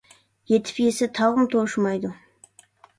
يېتىپ يېسە تاغمۇ توشىمايدۇ.